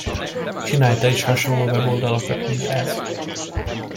Csinálj te is hasonló weboldalakat mint ez!